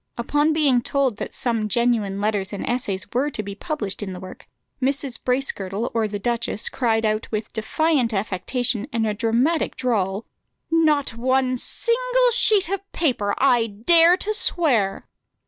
Upon being told that some genuine letters and essays were to be published in the work, Mrs. Bracegirdle or the duchess cried out with defiant affectation and a dramatic drawl, "Not one single sheet of paper, I dare to swear."